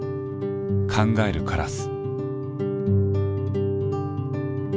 「考えるカラス」。